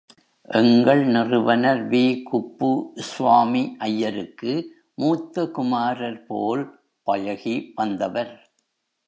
எங்கள் நிறுவனர் வி.குப்புஸ்வாமி ஐயருக்கு, மூத்த குமாரர் போல் பழகி வந்தவர்.